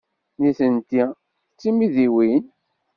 Nitenti d timidiwin?